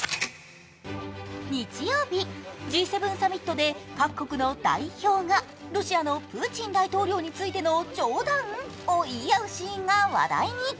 日曜日、Ｇ７サミットで各国の代表がロシアのプーチン大統領についての冗談を言い合うシーンが話題に。